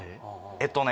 えっとね